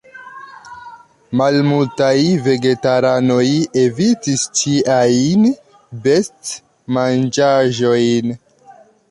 Malmultaj vegetaranoj evitis ĉiajn best-manĝaĵojn.